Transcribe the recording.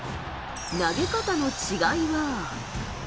投げ方の違いは。